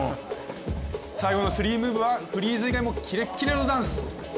最後の３ムーブはフリーズ以外もキレキレのダンス。